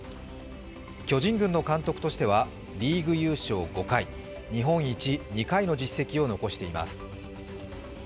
巨人軍の監督としてはリーグ優勝５回日本一２回の実績を残しています。